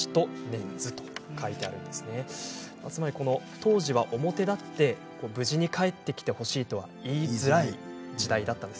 当時は表立って無事に帰ってきてほしいとは言いづらい時代だったんです。